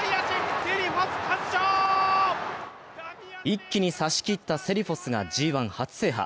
一気にさしきったセリフォスがＧⅠ初制覇。